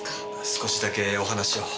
少しだけお話を。